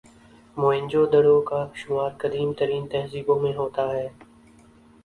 موئن جو دڑو کا شمار قدیم ترین تہذیبوں میں ہوتا ہے